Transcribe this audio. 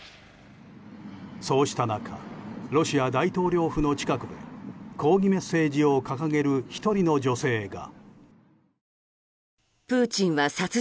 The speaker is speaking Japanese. そうした中ロシア大統領府の近くで抗議メッセージを掲げる１人の女性が。